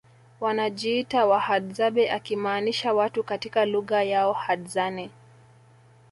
wanajiita Wahadzabe akimaanisha watu katika lugha yao Hadzane